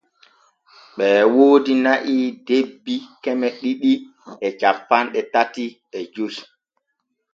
Ɓee woodi na’i debbi keme ɗiɗi e cappanɗe tati e joy.